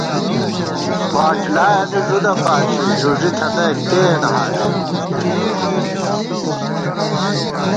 واٹلایَنی ݫُدہ پاݪی، ݫُݫِی تھنَئیک تېن حالے